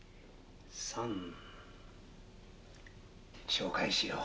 「紹介しよう